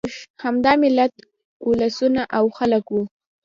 همدا ملت، اولسونه او خلک وو.